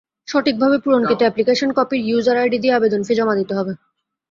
সঠিকভাবে পূরণকৃত অ্যাপ্লিকেশন কপির ইউজার আইডি দিয়ে আবেদন ফি জমা দিতে হবে।